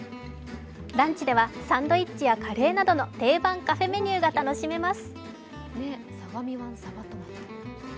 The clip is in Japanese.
ランチでは、サンドイッチやカレーなどの定番カフェメニューが楽しめます。